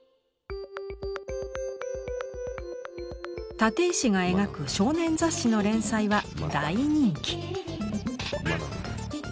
立石が描く少年雑誌の連載は大人気。